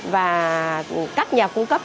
và các nhà cung cấp